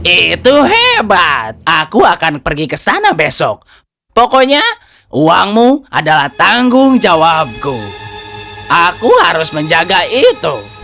itu hebat aku akan pergi ke sana besok pokoknya uangmu adalah tanggung jawabku aku harus menjaga itu